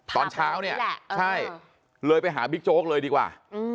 ตอนเช้าเนี่ยใช่เลยไปหาบิ๊กโจ๊กเลยดีกว่า